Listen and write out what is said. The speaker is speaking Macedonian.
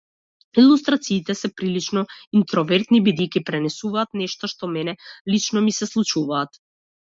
Илустрациите се прилично интровертни бидејќи пренесуваат нешта што мене лично ми се случуваат.